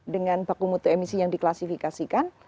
dengan baku mutu emisi yang diklasifikasikan